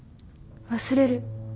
忘れる？